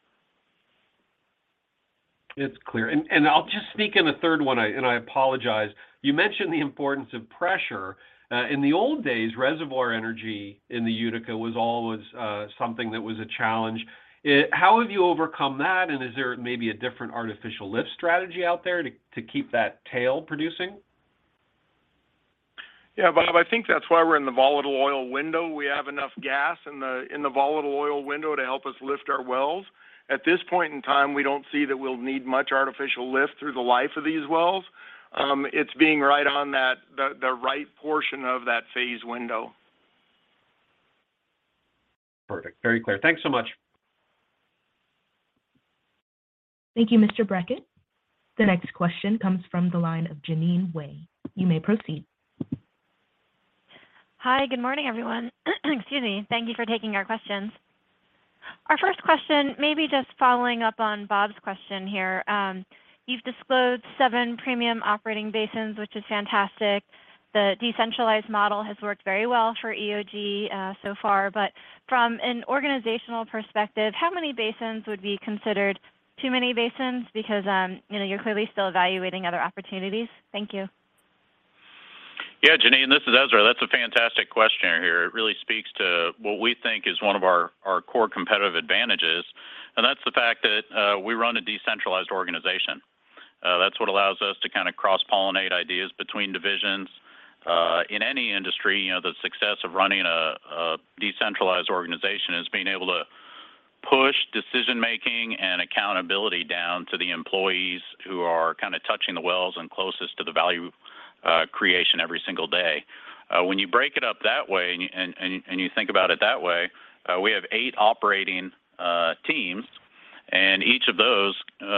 It's clear. I'll just sneak in a third one, and I apologize. You mentioned the importance of pressure. In the old days, reservoir energy in the Utica was always something that was a challenge. How have you overcome that? Is there maybe a different artificial lift strategy out there to keep that tail producing? Yeah, Bob, I think that's why we're in the volatile oil window. We have enough gas in the volatile oil window to help us lift our wells. At this point in time, we don't see that we'll need much artificial lift through the life of these wells. It's being right on that, the right portion of that phase window. Perfect. Very clear. Thanks so much. Thank you, Mr. Brackett. The next question comes from the line of Jeanine Wai. You may proceed. Hi. Good morning, everyone. Excuse me. Thank you for taking our questions. Our first question, maybe just following up on Bob's question here. You've disclosed seven premium operating basins, which is fantastic. The decentralized model has worked very well for EOG, so far. But from an organizational perspective, how many basins would be considered too many basins? Because, you know, you're clearly still evaluating other opportunities. Thank you. Yeah, Jeanine, this is Ezra. That's a fantastic question here. It really speaks to what we think is one of our core competitive advantages, and that's the fact that we run a decentralized organization. That's what allows us to kind of cross-pollinate ideas between divisions. In any industry, you know, the success of running a decentralized organization is being able to push decision-making and accountability down to the employees who are kind of touching the wells and closest to the value creation every single day. When you break it up that way and you think about it that way, we have eight operating teams, and each of those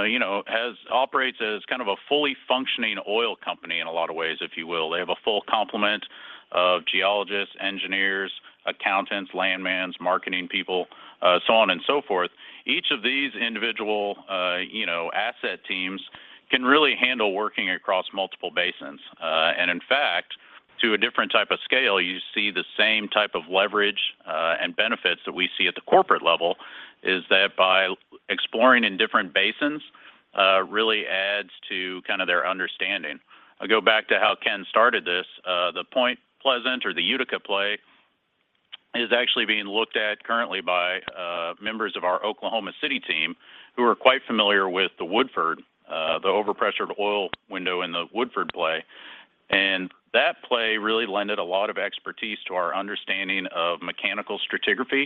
you know operates as kind of a fully functioning oil company in a lot of ways, if you will. They have a full complement of geologists, engineers, accountants, landmen, marketing people, so on and so forth. Each of these individual, you know, asset teams can really handle working across multiple basins. In fact, to a different type of scale, you see the same type of leverage, and benefits that we see at the corporate level is that by exploring in different basins, really adds to kind of their understanding. I'll go back to how Ken started this. The Point Pleasant or the Utica play is actually being looked at currently by members of our Oklahoma City team who are quite familiar with the Woodford, the over-pressured oil window in the Woodford play. That play really lent a lot of expertise to our understanding of mechanical stratigraphy,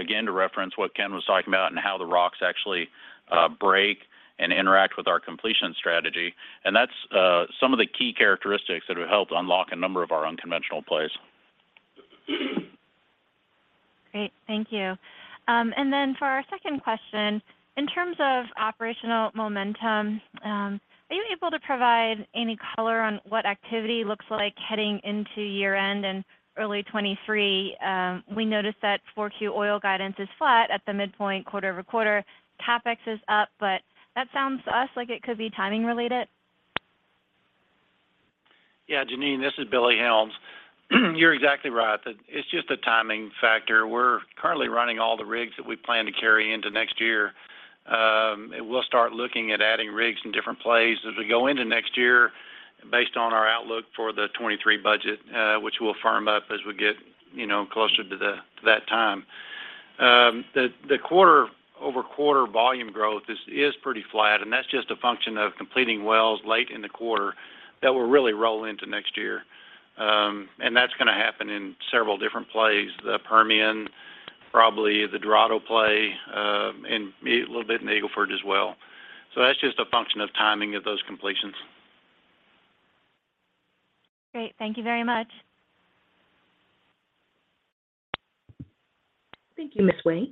again, to reference what Ken was talking about and how the rocks actually break and interact with our completion strategy. That's some of the key characteristics that have helped unlock a number of our unconventional plays. Great. Thank you. For our second question, in terms of operational momentum, are you able to provide any color on what activity looks like heading into year-end and early 2023? We noticed that 4Q oil guidance is flat at the midpoint quarter-over-quarter. CapEx is up, but that sounds to us like it could be timing related. Yeah, Jeanine, this is Billy Helms. You're exactly right. It's just a timing factor. We're currently running all the rigs that we plan to carry into next year. We'll start looking at adding rigs in different plays as we go into next year based on our outlook for the 2023 budget, which we'll firm up as we get, you know, closer to that time. The quarter-over-quarter volume growth is pretty flat, and that's just a function of completing wells late in the quarter that will really roll into next year. That's going to happen in several different plays. The Permian, probably the Dorado play, and a little bit in the Eagle Ford as well. That's just a function of timing of those completions. Great. Thank you very much. Thank you, Ms. Wai.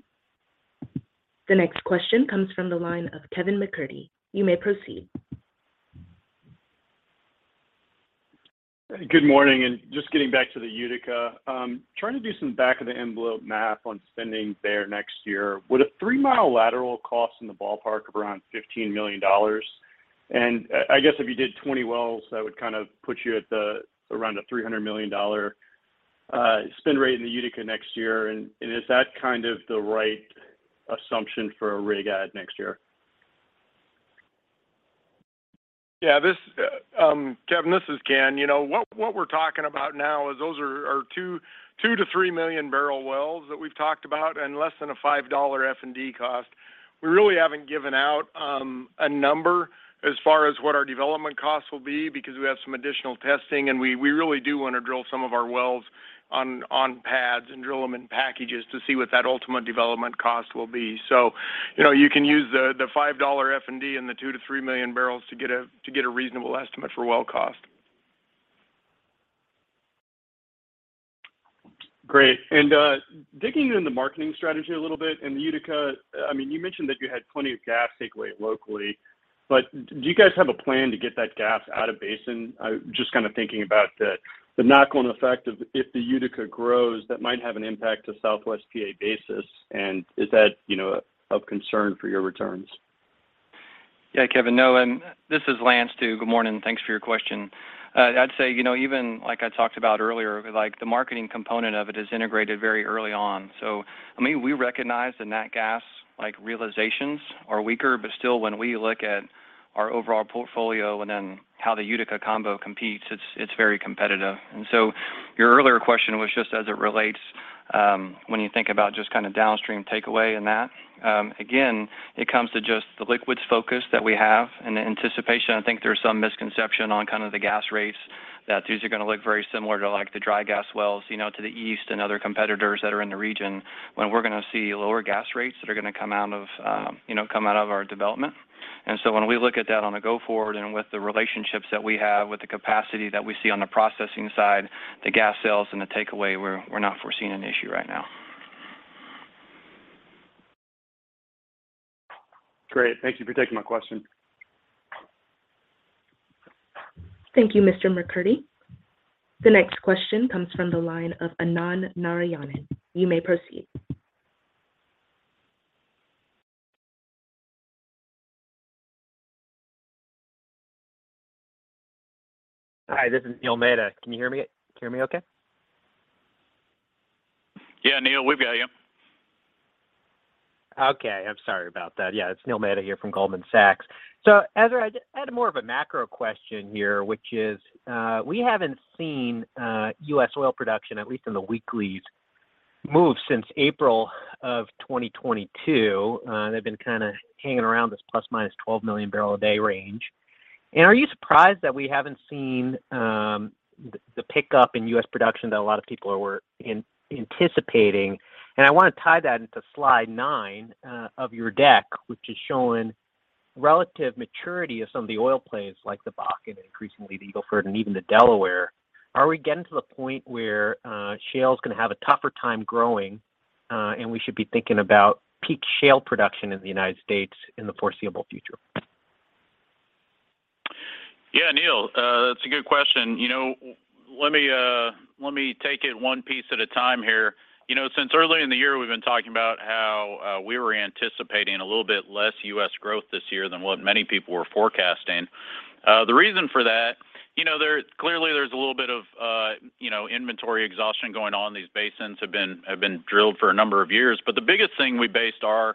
The next question comes from the line of Kevin McCurdy. You may proceed. Good morning, just getting back to the Utica. Trying to do some back-of-the-envelope math on spending there next year. Would a three-mile lateral cost in the ballpark of around $15 million? I guess if you did 20 wells, that would kind of put you at around $300 million spend rate in the Utica next year. Is that kind of the right assumption for a rig add next year? Yeah. This, Kevin, this is Ken. You know, what we're talking about now is those are 2-3 million barrel wells that we've talked about and less than a $5 F&D cost. We really haven't given out a number as far as what our development costs will be because we have some additional testing. We really do want to drill some of our wells on pads and drill them in packages to see what that ultimate development cost will be. You know, you can use the $5 F&D and the 2-3 million bbl to get a reasonable estimate for well cost. Great. Digging in the marketing strategy a little bit in the Utica, I mean, you mentioned that you had plenty of gas takeaway locally, but do you guys have a plan to get that gas out of basin? I'm just kind of thinking about the knock-on effect of if the Utica grows, that might have an impact to Southwest PA basis. Is that, you know, of concern for your returns? Yeah, Kevin and This is Lance, too. Good morning. Thanks for your question. I'd say, you know, even like I talked about earlier, like, the marketing component of it is integrated very early on. I mean, we recognize the nat gas, like, realizations are weaker, but still when we look at our overall portfolio and then how the Utica combo competes, it's very competitive. Your earlier question was just as it relates, when you think about just kind of downstream takeaway and that. Again, it comes to just the liquids focus that we have. In anticipation, I think there's some misconception on kind of the gas rates that these are going to look very similar to, like, the dry gas wells, you know, to the east and other competitors that are in the region when we're going to see lower gas rates that are going to come out of our development. When we look at that on a go forward and with the relationships that we have, with the capacity that we see on the processing side, the gas sales and the takeaway, we're not foreseeing an issue right now. Great. Thank you for taking my question. Thank you, Mr. McCurdy. The next question comes from the line of Anand Nayaran. You may proceed. Hi, this is Neil Mehta. Can you hear me? Can you hear me okay? Yeah, Neil, we've got you. Okay. I'm sorry about that. Yeah. It's Neil Mehta here from Goldman Sachs. So, Ezra, I had more of a macro question here, which is, we haven't seen U.S. oil production, at least in the weeklies, move since April of 2022. They've been kind of hanging around this ±12 million bbl a day range. Are you surprised that we haven't seen the pickup in U.S. production that a lot of people were anticipating? I want to tie that into slide nine of your deck, which is showing relative maturity of some of the oil plays like the Bakken and increasingly the Eagle Ford and even the Delaware. Are we getting to the point where, shale's going to have a tougher time growing, and we should be thinking about peak shale production in the United States in the foreseeable future? Yeah, Neil. That's a good question. You know, let me take it one piece at a time here. You know, since early in the year, we've been talking about how we were anticipating a little bit less U.S. growth this year than what many people were forecasting. The reason for that, you know, clearly, there's a little bit of, you know, inventory exhaustion going on. These basins have been drilled for a number of years. But the biggest thing we based our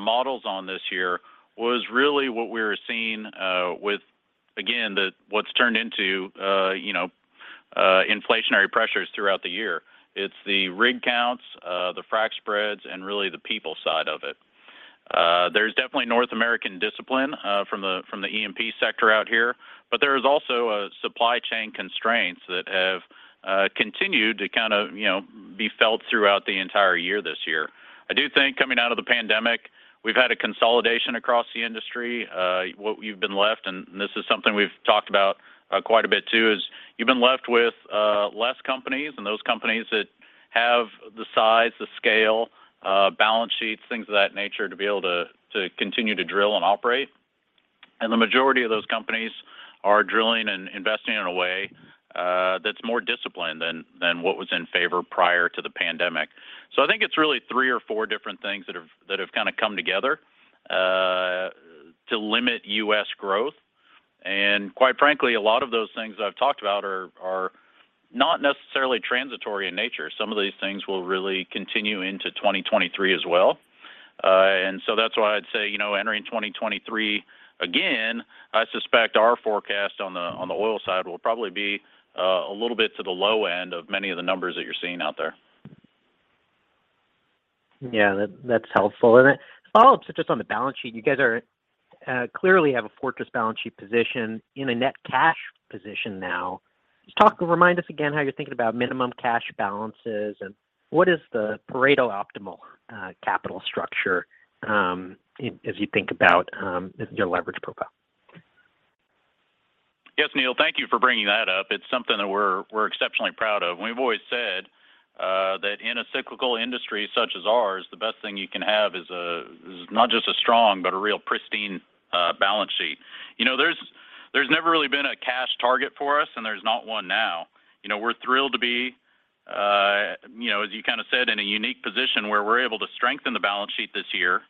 models on this year was really what we were seeing with, again, what's turned into, you know, inflationary pressures throughout the year, it's the rig counts, the frac spreads, and really the people side of it. There's definitely North American discipline from the E&P sector out here, but there is also supply chain constraints that have continued to kind of, you know, be felt throughout the entire year this year. I do think coming out of the pandemic, we've had a consolidation across the industry. What we've been left, and this is something we've talked about quite a bit too, is you've been left with less companies and those companies that have the size, the scale, balance sheets, things of that nature, to be able to continue to drill and operate. The majority of those companies are drilling and investing in a way that's more disciplined than what was in favor prior to the pandemic. I think it's really three or four different things that have kind of come together to limit U.S. growth. Quite frankly, a lot of those things that I've talked about are not necessarily transitory in nature. Some of these things will really continue into 2023 as well. That's why I'd say, you know, entering 2023, again, I suspect our forecast on the oil side will probably be a little bit to the low end of many of the numbers that you're seeing out there. Yeah. That, that's helpful. A follow-up just on the balance sheet. You guys are clearly have a fortress balance sheet position in a net cash position now. Just talk or remind us again how you're thinking about minimum cash balances, and what is the Pareto optimal capital structure, as you think about your leverage profile? Yes, Neil, thank you for bringing that up. It's something that we're exceptionally proud of. We've always said that in a cyclical industry such as ours, the best thing you can have is not just a strong, but a real pristine balance sheet. You know, there's never really been a cash target for us, and there's not one now. You know, we're thrilled to be, you know, as you kind of said, in a unique position where we're able to strengthen the balance sheet this year,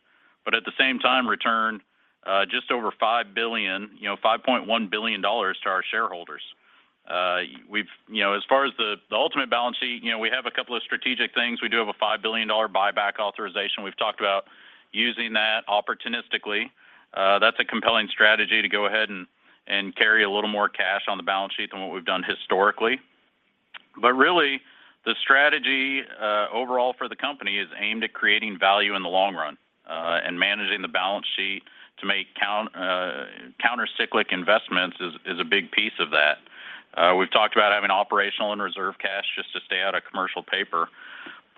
but at the same time return just over $5 billion, you know, $5.1 billion to our shareholders. You know, as far as the ultimate balance sheet, you know, we have a couple of strategic things. We do have a $5 billion buyback authorization. We've talked about using that opportunistically. That's a compelling strategy to go ahead and carry a little more cash on the balance sheet than what we've done historically. Really, the strategy overall for the company is aimed at creating value in the long run and managing the balance sheet to make counter-cyclic investments is a big piece of that. We've talked about having operational and reserve cash just to stay out of commercial paper.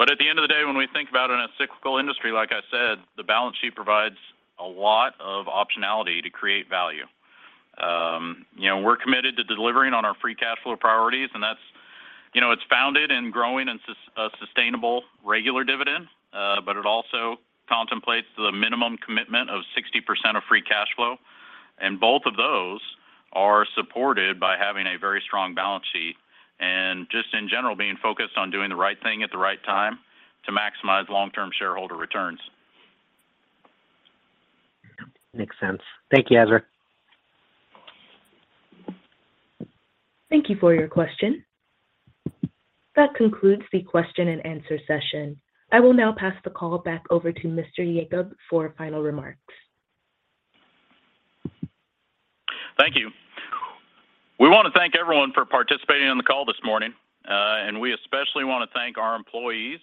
At the end of the day, when we think about in a cyclical industry, like I said, the balance sheet provides a lot of optionality to create value. You know, we're committed to delivering on our free cash flow priorities, and that's, you know, it's founded in growing and sustainable regular dividend, but it also contemplates the minimum commitment of 60% of free cash flow. Both of those are supported by having a very strong balance sheet and just in general being focused on doing the right thing at the right time to maximize long-term shareholder returns. Makes sense. Thank you, Ezra. Thank you for your question. That concludes the question-and-answer session. I will now pass the call back over to Mr. Yacob for final remarks. Thank you. We want to thank everyone for participating on the call this morning. We especially want to thank our employees.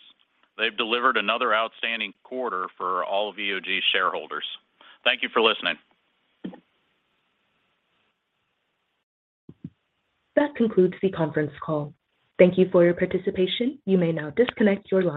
They've delivered another outstanding quarter for all of EOG shareholders. Thank you for listening. That concludes the conference call. Thank you for your participation. You may now disconnect your line.